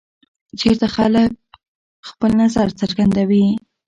چېرته خلک خپل نظر څرګندوي؟